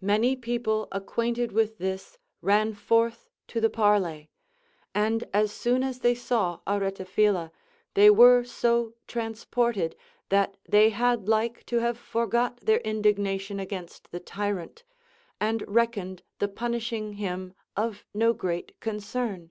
Many people acquainted Avith this ran forth to the parley ; and as soon as they saw Areta phila, they were so transported that they had like to have forgot their indignation against the tyrant, and reckoned the punishing him of no great concern.